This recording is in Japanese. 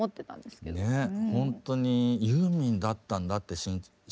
ほんとにユーミンだったんだって知った瞬間